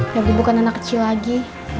bukan anak kecil lagi